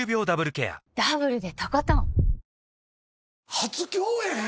初共演？